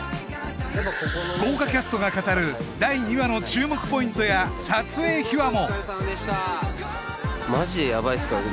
豪華キャストが語る第２話の注目ポイントや撮影秘話もマジでヤバいっすからね